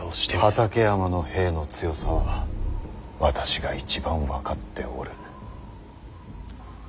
畠山の兵の強さは私が一番分かっておる。